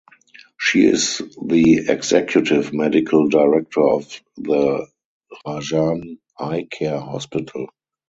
She is the executive medical director of the Rajan Eye Care Hospital.